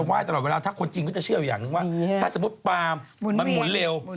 ว่าถ้าสมมุติปามมันหมุนเร็ว